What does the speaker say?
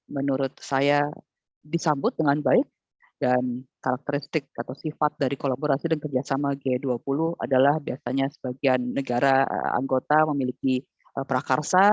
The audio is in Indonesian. menurut saya disambut dengan baik dan karakteristik atau sifat dari kolaborasi dan kerjasama g dua puluh adalah biasanya sebagian negara anggota memiliki prakarsa